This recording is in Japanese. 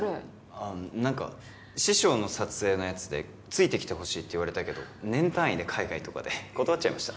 あっ何か師匠の撮影のやつでついてきてほしいって言われたけど年単位で海外とかで断っちゃいました